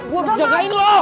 gua mau jagain lu